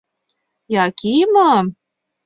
— Якимым!